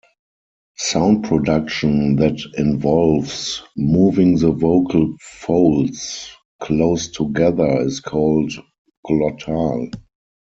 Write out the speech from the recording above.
Sound production that involves moving the vocal folds close together is called "glottal".